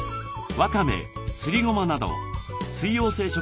わかめすりごまなども水溶性食物